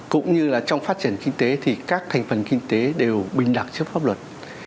cũng như là trong phát triển kinh tế thì các thành phần kinh tế đều bình đặc trước pháp luật